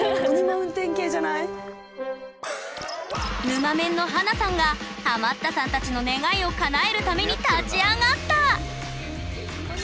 ぬまメンの華さんがハマったさんたちの願いをかなえるために立ち上がった！